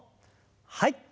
はい。